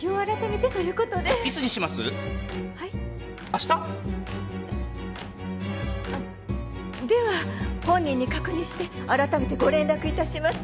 あでは本人に確認して改めてご連絡いたします。